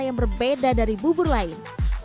yang berbeda dari bubur lain